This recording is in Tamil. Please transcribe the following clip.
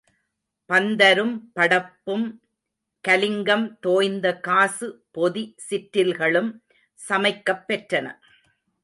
பந்தரும் படப்பும் கலிங்கம் தோய்ந்த காசு பொதி சிற்றில்களும் சமைக்கப் பெற்றன.